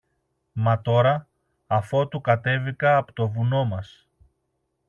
Μα τώρα, αφότου κατέβηκα από το βουνό μας